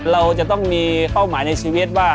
เราจะต้องมีเป้าหมายในชีวิตว่า